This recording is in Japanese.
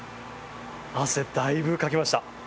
汗だいぶかきました。